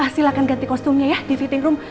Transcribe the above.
silahkan ganti kostumnya ya di fitting room